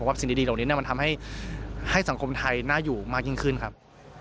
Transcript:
สิ่งดีเหล่านี้มันทำให้สังคมไทยน่าอยู่มากยิ่งขึ้นครับ